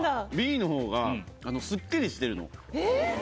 Ｂのほうがすっきりしてるの。え？